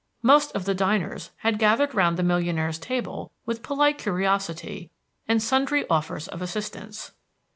Most of the diners had gathered round the millionaire's table with polite curiosity, and sundry offers of assistance.